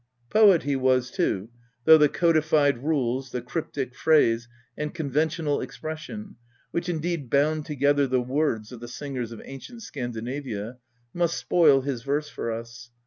Poet he was too, though the codified rules, the cryp tic phrase, and conventional expression, which indeed "bound" together the words of the singers of ancient Scandinavia, must spoil his verse for us.